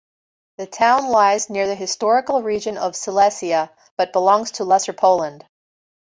The town lies near the historical region of Silesia, but belongs to Lesser Poland.